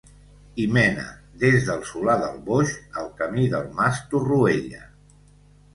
Hi mena, des del Solà del Boix, el Camí del Mas Torroella.